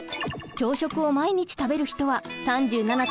朝食を毎日食べる人は３７．５％。